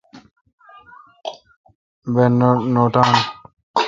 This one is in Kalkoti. بہ نوٹان۔